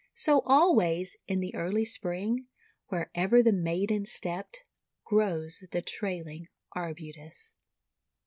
So always in the early Spring, wherever the maiden stepped, grows the Trailing Arbutus.